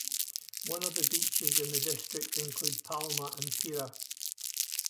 One of the beaches in the district include Palma and Pira.